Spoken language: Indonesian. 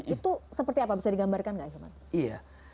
itu seperti apa bisa digambarkan gak ahilman